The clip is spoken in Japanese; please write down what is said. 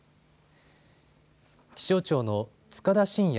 気象庁の束田進也